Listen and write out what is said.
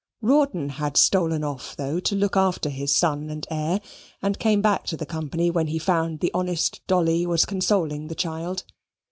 Rawdon had stolen off though, to look after his son and heir; and came back to the company when he found that honest Dolly was consoling the child.